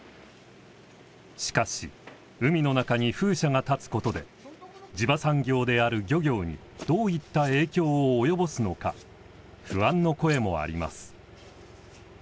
しかし海の中に風車が建つことで地場産業である漁業にどういった影響を及ぼすのか不安の声もあります。